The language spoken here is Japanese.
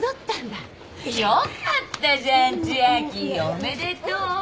おめでとう。